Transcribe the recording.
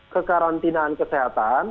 kekarantinaan kesehatan terutama itu